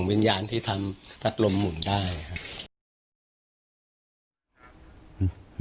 ดูดิ้ก็ไม่หมุนไหม